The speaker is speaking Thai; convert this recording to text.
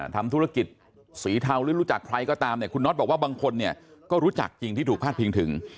ทำธุรกิจสีเทาหรือรู้จักใครก็ตามเนี่ยคุณน็อตบอกว่าบางคนเนี่ยก็รู้จักจริงที่ถูกพาดพิงถึง